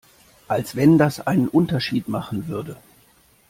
Als wenn das einen Unterschied machen würde!